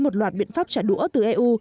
một loạt biện pháp trả đũa từ eu